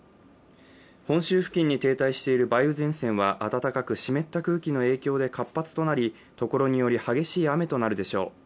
本州付近に停滞している梅雨前線は湿った風の影響で活発となりところにより激しい雨となるでしょう。